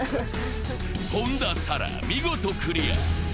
本田紗来、見事クリア。